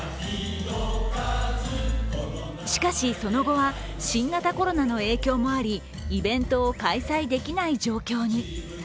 しかし、その後は新型コロナの影響もありイベントを開催できない状況に。